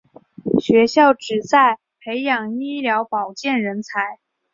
学校旨在培养医疗保健人才。